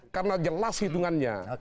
karena jelas hitungannya